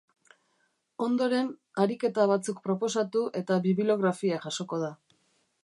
Ondoren, ariketa batzuk proposatu eta bibliografi a jasoko da.